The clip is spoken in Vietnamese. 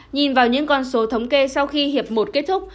nhìn vào những con số thống kê sau khi hiệp một kết thúc